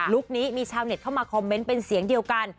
คนี้มีชาวเน็ตเข้ามาคอมเมนต์เป็นเสียงเดียวกัน